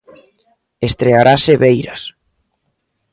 Estrearase Beiras.